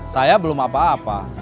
saya belum apa apa